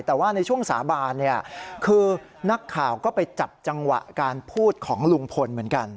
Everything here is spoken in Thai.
แต่ว่าในช่วงสาบานเนี่ยคือนักข่าวก็ไปจับจังหวะการพูดของลุงพลเหมือนกัน